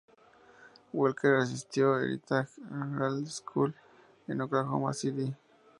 Welker asistió a Heritage Hall School en Oklahoma City.